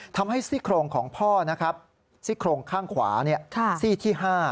ทำให้ซี่โครงของพ่อซี่โครงข้างขวาซี่ที่๕